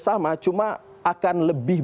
sama cuma akan lebih